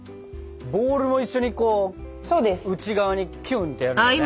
ボウルを一緒に内側にキュンってやるんだよね。